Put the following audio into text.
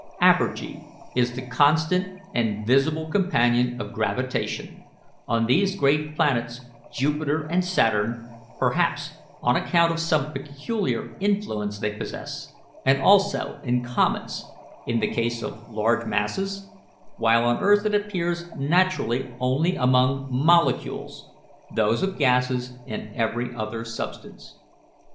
apergy is the constant and visible companion of gravitation, on these great planets Jupiter and Saturn, perhaps on account of some peculiar influence they possess, and also in comets, in the case of large masses, while on earth it appears naturally only among molecules those of gases and every other substance."